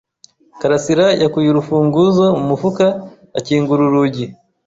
Karasirayakuye urufunguzo mu mufuka akingura urugi.